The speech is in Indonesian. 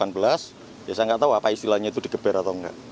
biasanya gak tau apa istilahnya itu digeber atau enggak